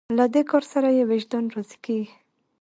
له دې کار سره یې وجدان راضي کېږي.